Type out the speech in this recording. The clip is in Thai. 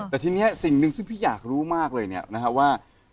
แต่ทีนี้สิ่งหนึ่งซึ่งพี่อยากรู้มากเลยเนี่ยนะฮะว่า